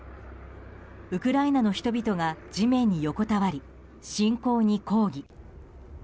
ウクライナの人々が地面に横たわり侵攻に抗議。